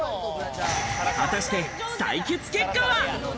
果たして採血結果は？